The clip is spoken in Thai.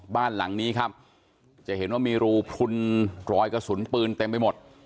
บ้านหลังนี้ครับจะเห็นว่ามีรูพลุนรอยกระสุนปืนเต็มไปหมด